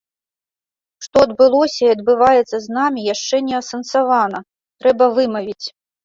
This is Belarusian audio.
Што адбылося і адбываецца з намі яшчэ не асэнсавана, трэба вымавіць.